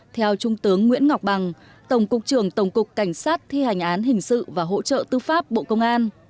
theo trung tướng nguyễn ngọc bằng tổng cục trưởng tổng cục cảnh sát thi hành án hình sự và hỗ trợ tư pháp bộ công an